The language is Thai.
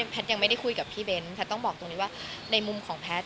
แพทย์ยังไม่ได้คุยกับพี่เบ้นแพทย์ต้องบอกตรงนี้ว่าในมุมของแพทย์